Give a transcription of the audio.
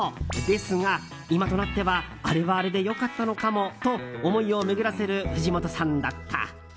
ですが、今となってはあれはあれで良かったのかもと思いを巡らせる藤本さんだった。